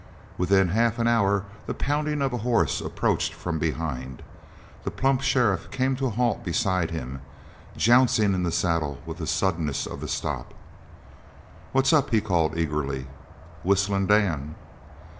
Within half an hour the pounding of a horse approached from behind. The plump sheriff came to a halt beside him, jouncing in the saddle with the suddenness of the stop. "What's up?" he called eagerly. "Whistlin' Dan."